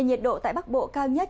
nhiệt độ tại bắc bộ cao nhất